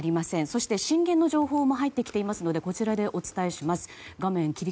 そして震源の情報も入ってきていますのでこちらでお伝えします。